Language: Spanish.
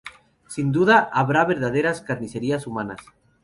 Sin duda, habrá verdaderas carnicerías humanas.